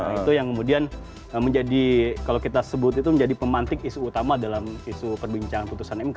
nah itu yang kemudian menjadi kalau kita sebut itu menjadi pemantik isu utama dalam isu perbincangan putusan mk